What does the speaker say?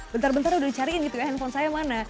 bentar bentar udah dicariin gitu ya handphone saya mana